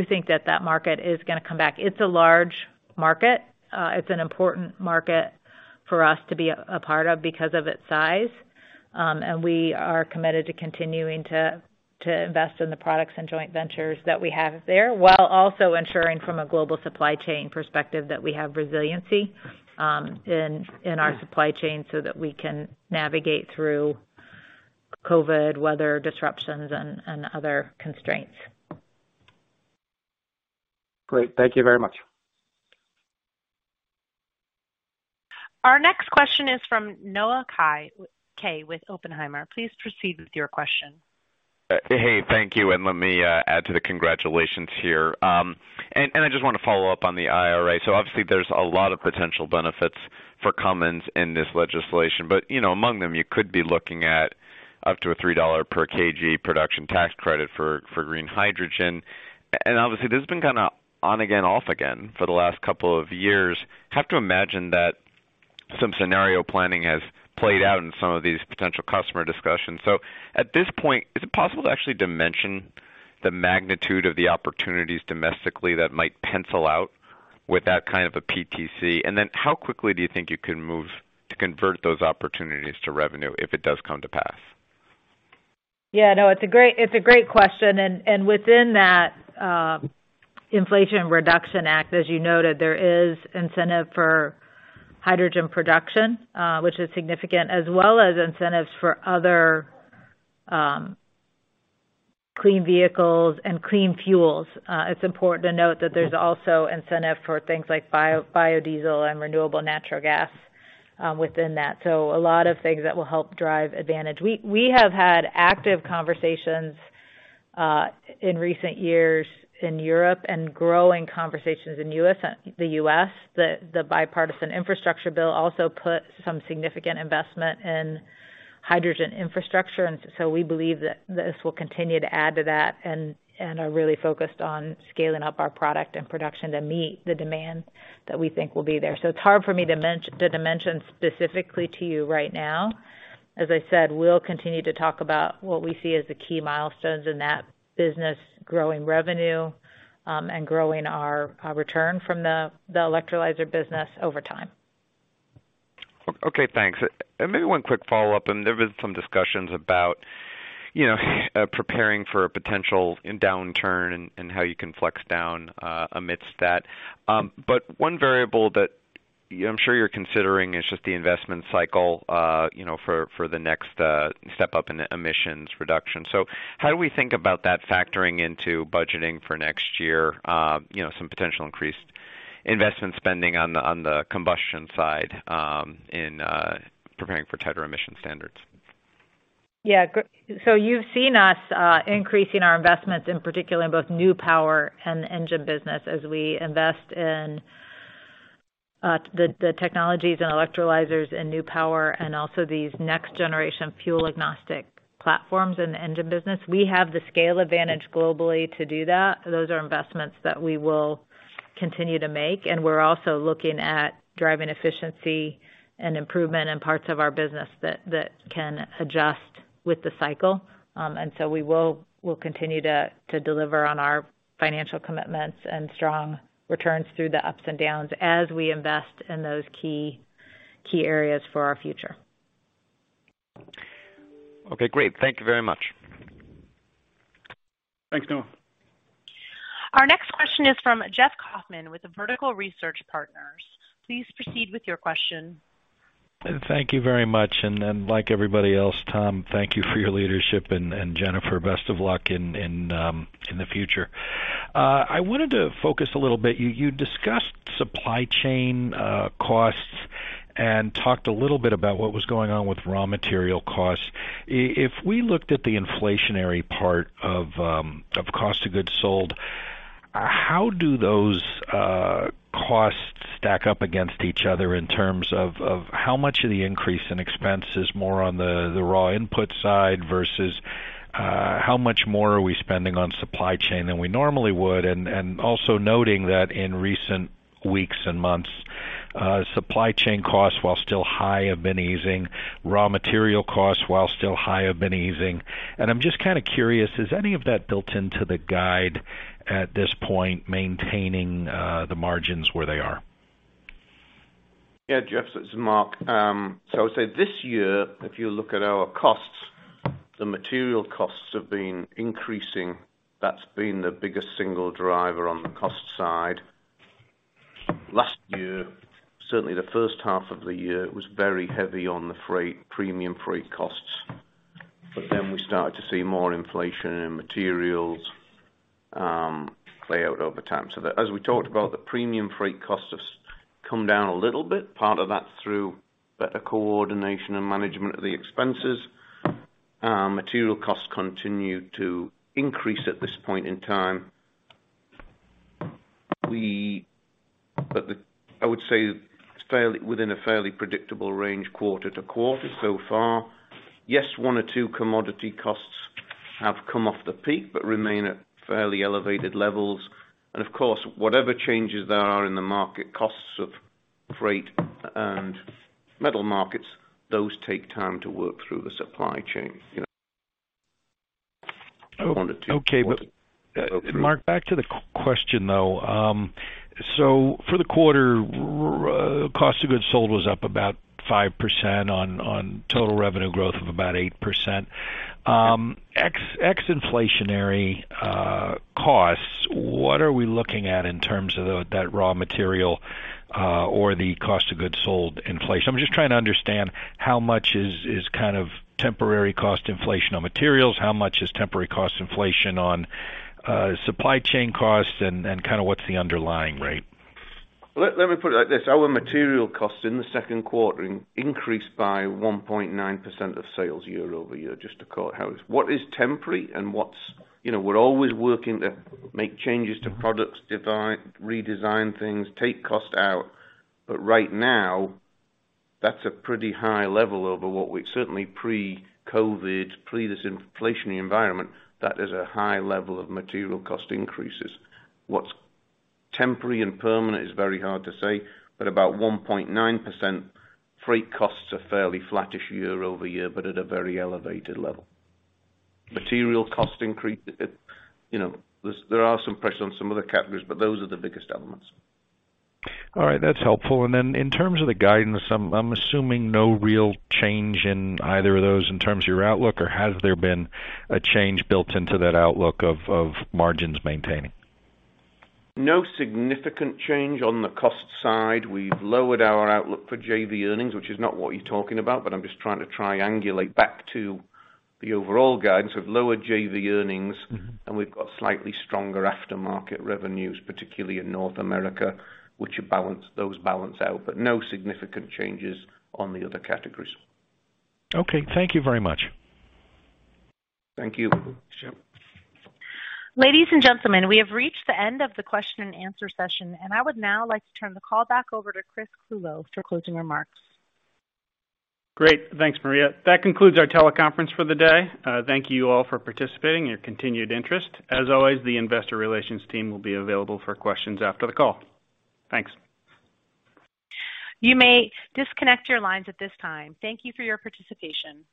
think that that market is gonna come back. It's a large market. It's an important market for us to be a part of because of its size. We are committed to continuing to invest in the products, and joint ventures that we have there, while also ensuring from a global supply chain perspective that we have resiliency in our supply chain so that we can navigate through COVID, weather disruptions, and other constraints. Great. Thank you very much. Our next question is from Noah Kaye with Oppenheimer. Please proceed with your question. Hey, thank you, and let me add to the congratulations here. I just wanna follow up on the IRA. Obviously there's a lot of potential benefits for Cummins in this legislation, but you know, among them, you could be looking at up to a $3 per kg production tax credit for green hydrogen. Obviously this has been kinda on again, off again for the last couple of years. Have to imagine that some scenario planning has played out in some of these potential customer discussions. At this point, is it possible to actually dimension the magnitude of the opportunities domestically that might pencil out with that kind of a PTC? Then how quickly do you think you can move to convert those opportunities to revenue if it does come to pass? Yeah, no, it's a great question. Within that, Inflation Reduction Act, as you noted, there is incentive for hydrogen production, which is significant, as well as incentives for other clean vehicles and clean fuels. It's important to note that there's also incentive for things like biodiesel and renewable natural gas within that. A lot of things that will help drive advantage. We have had active conversations in recent years in Europe and growing conversations in the US. The bipartisan infrastructure bill also put some significant investment in hydrogen infrastructure. We believe that this will continue to add to that and are really focused on scaling up our product and production to meet the demand that we think will be there. It's hard for me to dimension specifically to you right now. As I said, we'll continue to talk about what we see as the key milestones in that business, growing revenue, and growing our return from the electrolyzer business over time. Okay, thanks. Maybe one quick follow-up, and there was some discussions about, you know, preparing for a potential downturn, and how you can flex down amidst that. But one variable that I'm sure you're considering is just the investment cycle, you know, for the next step up in emissions reduction. How do we think about that factoring into budgeting for next year, you know, some potential increased investment spending on the combustion side in preparing for tighter emission standards? Yeah. You've seen us increasing our investments in particular in both new power and engine business as we invest in the technologies and electrolyzers and new power and also these next generation fuel agnostic platforms in the engine business. We have the scale advantage globally to do that. Those are investments that we will continue to make, and we're also looking at driving efficiency, and improvement in parts of our business that can adjust with the cycle. We'll continue to deliver on our financial commitments and strong returns through the ups and downs as we invest in those key areas for our future. Okay, great. Thank you very much. Thanks, Noah. Our next question is from Jeff Kauffman with Vertical Research Partners. Please proceed with your question. Thank you very much. Like everybody else, Tom, thank you for your leadership and Jennifer, best of luck in the future. I wanted to focus a little bit. You discussed supply chain costs, and talked a little bit about what was going on with raw material costs. If we looked at the inflationary part of cost of goods sold, how do those costs stack up against each other in terms of how much of the increase in expense is more on the raw input side versus how much more are we spending on supply chain than we normally would? Also noting that in recent weeks and months, supply chain costs, while still high, have been easing. Raw material costs, while still high, have been easing. I'm just kind of curious, is any of that built into the guide at this point, maintaining the margins where they are? Yeah, Jeff Kauffman, this is Mark Smith. I would say this year, if you look at our costs, the material costs have been increasing. That's been the biggest single driver on the cost side. Last year, certainly the H1 of the year, it was very heavy on the freight, premium freight costs. Then we started to see more inflation in materials, play out over time. As we talked about, the premium freight costs have come down a little bit. Part of that's through better coordination and management of the expenses. Material costs continue to increase at this point in time. I would say it's fairly within a predictable range quarter to quarter so far. Yes, one or two commodity costs have come off the peak, but remain at fairly elevated levels. Of course, whatever changes there are in the market, costs of freight and metal markets, those take time to work through the supply chain, you know. Okay. Mark, back to the question, though. For the quarter, cost of goods sold was up about 5% on total revenue growth of about 8%. Ex-inflationary costs, what are we looking at in terms of that raw material or the cost of goods sold inflation? I'm just trying to understand how much is kind of temporary cost inflation on materials, how much is temporary cost inflation on supply chain costs and kind of what's the underlying rate? Let me put it like this. Our material costs in the Q2 increased by 1.9% of sales year-over-year, just to call it out. What is temporary and what's. You know, we're always working to make changes to products, drive, redesign things, take cost out. Right now, that's a pretty high level over what we certainly pre-COVID-19, pre this inflationary environment, that is a high level of material cost increases. What's temporary and permanent is very hard to say, but about 1.9%. Freight costs are fairly flattish year-over-year, but at a very elevated level. Material cost increase, you know, there are some pressure on some other categories, but those are the biggest elements. All right. That's helpful. In terms of the guidance, I'm assuming no real change in either of those in terms of your outlook, or has there been a change built into that outlook of margins maintaining? No significant change on the cost side. We've lowered our outlook for JV earnings, which is not what you're talking about, but I'm just trying to triangulate back to the overall guidance of lower JV earnings. Mm-hmm. We've got slightly stronger aftermarket revenues, particularly in North America, those balance out. No significant changes on the other categories. Okay, thank you very much. Thank you. Ladies and gentlemen, we have reached the end of the question and answer session, and I would now like to turn the call back over to Chris Clulow for closing remarks. Great. Thanks, Maria. That concludes our teleconference for the day. Thank you all for participating and your continued interest. As always, the investor relations team will be available for questions after the call. Thanks. You may disconnect your lines at this time. Thank you for your participation.